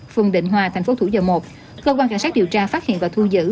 phường định hòa thành phố thủ dầu một cơ quan cảnh sát điều tra phát hiện và thu giữ